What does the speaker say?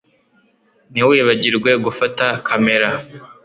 Ntiwibagirwe gufata kamera